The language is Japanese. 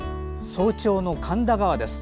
早朝の神田川です。